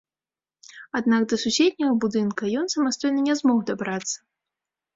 Аднак да суседняга будынка ён самастойна не змог дабрацца.